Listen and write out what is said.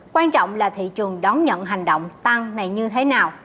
quan trọng là thị trường đón nhận hành động tăng này như thế nào